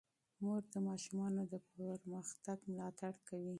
مور د ماشومانو د پرمختګ ملاتړ کوي.